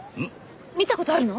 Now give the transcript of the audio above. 見た事あるの？